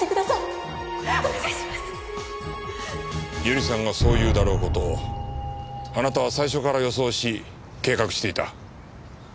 由梨さんがそう言うだろう事をあなたは最初から予想し計画していた。